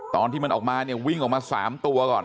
ตอนที่มันออกมาเนี่ยวิ่งออกมา๓ตัวก่อน